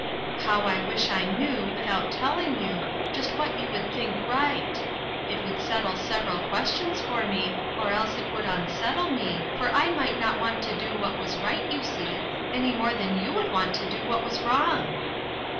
How I wish I knew, without tell ing you, just what you would think right : it would settle several questions for me, or else it would unsettle me, for I might not want to do what was right, you see, any more than you would want to do what was wrong."